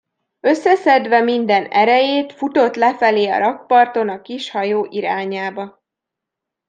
Összeszedve minden erejét, futott lefelé a rakparton a kis hajó irányába…